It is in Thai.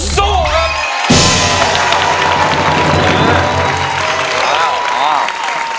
สู้ครับผมสู้ครับ